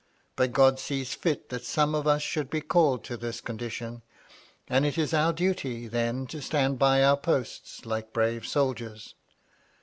But God sees fit that some of us should be called to this condition, and it is our duly then to stand by our posts, like brave soldiers.